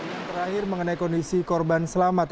yang terakhir mengenai kondisi korban selamat